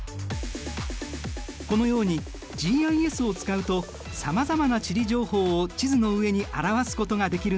このようにＧＩＳを使うとさまざまな地理情報を地図の上に表すことができるんだ。